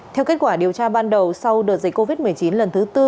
theo kết quả điều tra ban đầu sau đợt dịch covid một mươi chín lần thứ tư